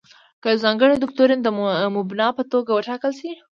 که یو ځانګړی دوکتورین د مبنا په توګه وټاکل شي.